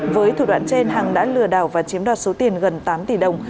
với thủ đoạn trên hằng đã lừa đảo và chiếm đoạt số tiền gần tám tỷ đồng